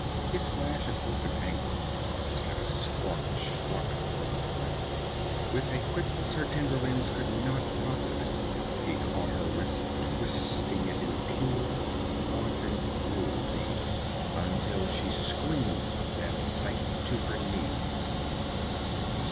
His flash of open anger was like a spark struck from flint. With a quickness her tender limbs could not approximate, he caught her wrist, twisting it in pure wanton cruelty until she screamed and sank to her knees.